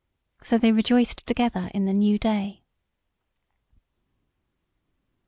So they rejoiced together in the new day.